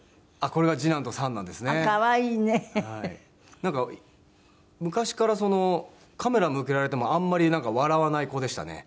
なんか昔からカメラ向けられてもあんまり笑わない子でしたね。